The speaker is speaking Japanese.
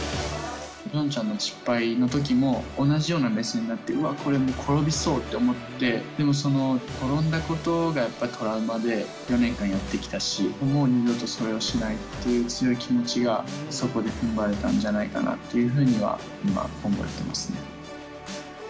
ピョンチャンの失敗のときも同じような目線になって、うわー、これ、転びそうと思って、でもその転んだことがやっぱりトラウマで４年間やってきたし、もう二度とそれをしないっていう強い気持ちがそこでふんばれたんじゃないかなっていうふうには、今思えてますね。